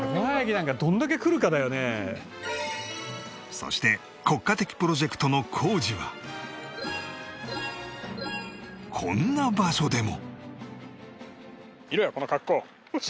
そして国家的プロジェクトの工事はこんな場所でも